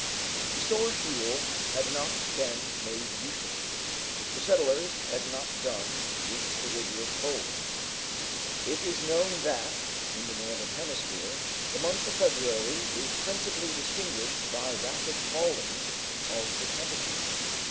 The store of fuel had not been made uselessly. The settlers had not done with the rigorous cold. It is known that, in the Northern Hemisphere, the month of February is principally distinguished by rapid fallings of the temperature.